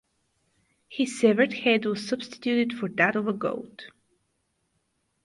His severed head was substituted for that of a goat.